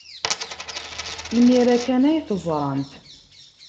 Imir-a kan ay t-ẓrant.